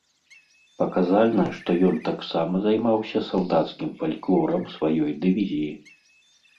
Паказальна, што ён таксама займаўся салдацкім фальклорам сваёй дывізіі.